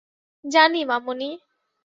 জানি, মামুনি।